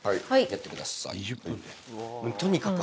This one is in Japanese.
やってください。